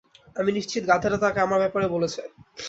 আমি নিশ্চিত গাধাটা তাকে আমার ব্যাপারে বলেছে।